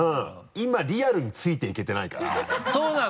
今リアルについていけてないからそうなのよ！